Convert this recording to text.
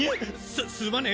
すすまねえ。